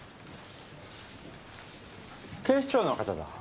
警視庁の方だ。